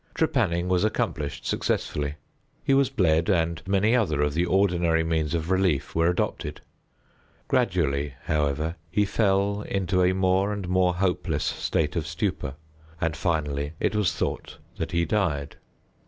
Trepanning was accomplished successfully. He was bled, and many other of the ordinary means of relief were adopted. Gradually, however, he fell into a more and more hopeless state of stupor, and, finally, it was thought that he died.